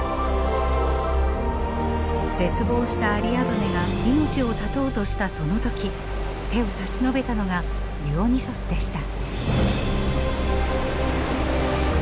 絶望したアリアドネが命を絶とうとしたその時手を差し伸べたのがディオニュソスでした。